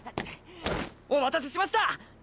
おまたせしましたー！！